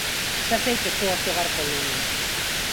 Xa sei que estou a xogar con lume.